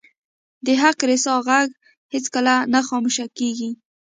د حق رسا ږغ هیڅکله نه خاموش کیږي